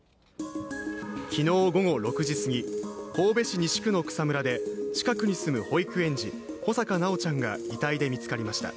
昨日午後６時すぎ、神戸市西区の草むらで、近くに住む保育園児穂坂修ちゃんが遺体で見つかりました。